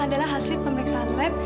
adalah hasil pemisahan lab